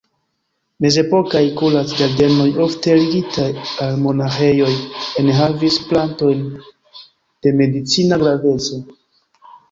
Mezepokaj kurac-ĝardenoj, ofte ligitaj al monaĥejoj, enhavis plantojn de medicina graveco.